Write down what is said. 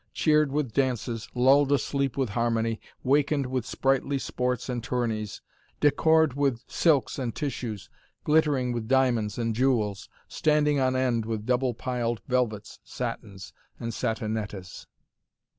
cheered with dances, lulled asleep with harmony, wakened with sprightly sports and tourneys, decored with silks and tissues, glittering with diamonds and jewels, standing on end with double piled velvets, satins, and satinettas!"